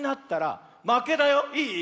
いい？